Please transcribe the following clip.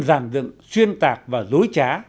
giàn dựng xuyên tạc và dối trá